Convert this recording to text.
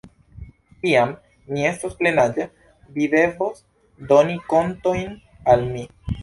Kiam mi estos plenaĝa vi devos doni kontojn al mi.